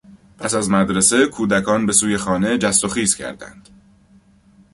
پس از مدرسه کودکان به سوی خانه جست و خیز کردند.